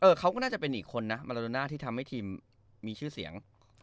เขาก็น่าจะเป็นอีกคนนะมาลาโดน่าที่ทำให้ทีมมีชื่อเสียง